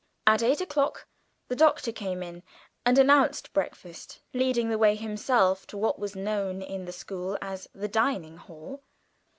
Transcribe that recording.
At eight o'clock the Doctor came in and announced breakfast, leading the way himself to what was known in the school as the "Dining Hall."